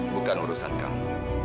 bukan urusan kamu